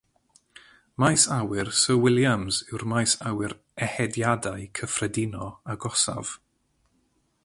Maes Awyr Sir Williams yw'r maes awyr ehediadau cyffredino agosaf.